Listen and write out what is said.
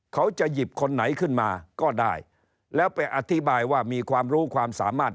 เขาจะหยิบคนไหนขึ้นมาก็ได้แล้วไปอธิบายว่ามีความรู้ความสามารถ